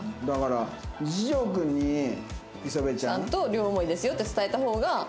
だから一条君に礒部ちゃん。と両思いですよって伝えた方が。